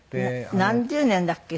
何十年だっけ？